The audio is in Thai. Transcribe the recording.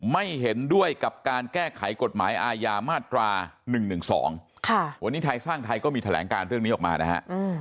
ไม่เห็นด้วยกับการแก้ไขกฎหมายอาญามาตรา๑๑๒วันนี้ไทยสร้างไทยก็มีแถลงการเรื่องนี้ออกมานะฮะ